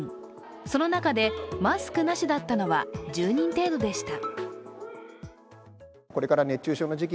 その中で、マスクなしだったのは１０人程度でした。